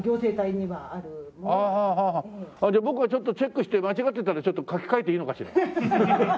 じゃあ僕がちょっとチェックして間違ってたらちょっと書き換えていいのかしら。